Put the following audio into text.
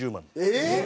えっ！？